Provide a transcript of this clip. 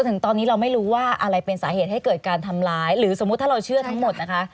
ถึงตอนนี้เราไม่รู้ว่าอะไรเป็นสาเหตุให้เกิดการทำร้ายหรือสมมุติถ้าเราเชื่อทั้งหมดนะคะ